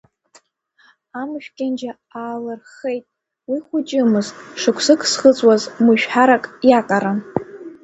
Амшә кьанџьа аалырххеит, уи хәыҷымызт, шықәсык зхыҵуаз мышәҳәарк иаҟаран.